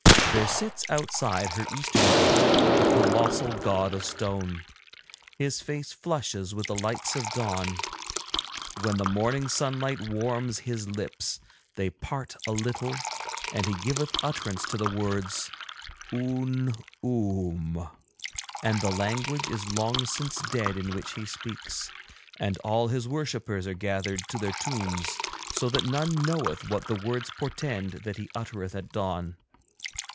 There sits outside her eastern gate a colossal god of stone. His face flushes with the lights of dawn. When the morning sunlight warms his lips they part a little, and he giveth utterance to the words "Oon Oom," and the language is long since dead in which he speaks, and all his worshippers are gathered to their tombs, so that none knoweth what the words portend that he uttereth at dawn.